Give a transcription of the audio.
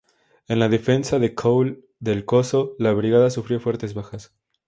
En la defensa del Coll del Coso la brigada sufrió fuertes bajas.